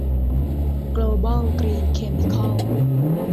โกลบอลกรีนเคมิคอล